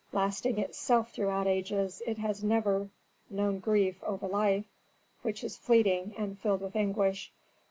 Lasting itself throughout ages, it has never known grief over life, which is fleeting and filled with anguish."